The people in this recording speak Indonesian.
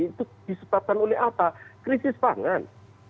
itu disebabkan oleh apa krisis pangan